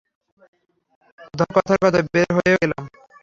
ধরো কথার কথা, বের হয়েও গেলাম!